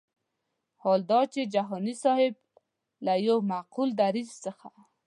حال دا چې جهاني صاحب له یو معقول دریځ څخه.